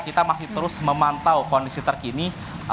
kita masih terus memantau kondisi terkini